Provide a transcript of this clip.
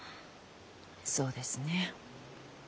そうですねぇ。